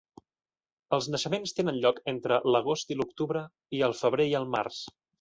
Els naixements tenen lloc entre l'agost i l'octubre, i el febrer i el març.